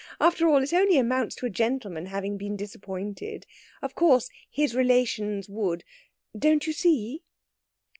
After all, it only amounts to a gentleman having been disappointed. Of course, his relations would ... don't you see?..."